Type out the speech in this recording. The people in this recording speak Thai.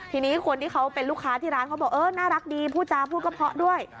ทีนี้คนที่เขาเป็นลูกค้าที่ร้านเขาบอกเออน่ารักดีพูดจาพูดก็เพราะด้วย